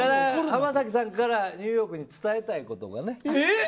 浜崎さんからニューヨークに伝えたいことがね。